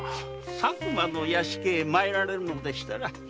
佐久間の屋敷へ参られるのなら。